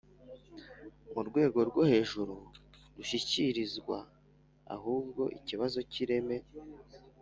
mu Rwego rwo hejuru rushyikirizwa, ahubwo ikibazo cy’ireme